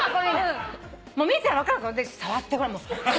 見たら分かるから触ってごらん。